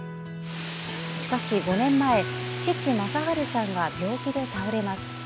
しかし５年前父・正治さんが病気で倒れます。